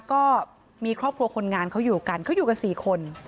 ก็มีครอบครัวคนงานเขาอยู่กันเขาอยู่กัน๔คน